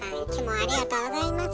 ありがとうございます。